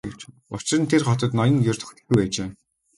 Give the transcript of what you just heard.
Учир нь тэр хотод ноён ер тогтдоггүй байжээ.